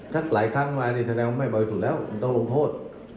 หลายครั้งมานี่แสดงว่าไม่บริสุทธิ์แล้วผมต้องลงโทษ